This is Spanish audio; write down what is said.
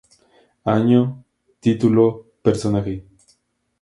Año|| Título|| Personaje